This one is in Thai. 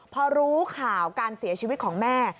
พอรู้ข่าวการเสียชีวิตของแม่